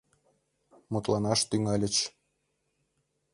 Мутланаш тӱҥальыч.